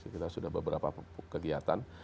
kita sudah beberapa kegiatan